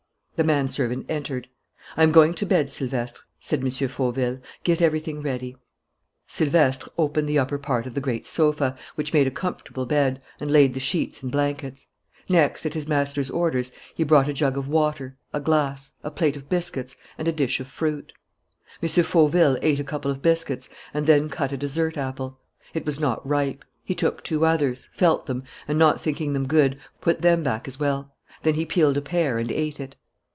The manservant entered. "I am going to bed, Silvestre," said M. Fauville. "Get everything ready." Silvestre opened the upper part of the great sofa, which made a comfortable bed, and laid the sheets and blankets. Next, at his master's orders, he brought a jug of water, a glass, a plate of biscuits, and a dish of fruit. M. Fauville ate a couple of biscuits and then cut a dessert apple. It was not ripe. He took two others, felt them, and, not thinking them good, put them back as well. Then he peeled a pear and ate it.